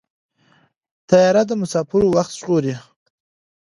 طیاره د مسافرو وخت ژغوري.